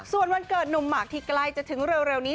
ส่วนวันเกิดหนุ่มหมากที่ใกล้จะถึงเร็วนี้